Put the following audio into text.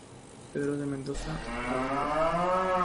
Pedro de Mendoza, Av.